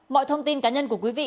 mọi thông tin cá nhân của quý vị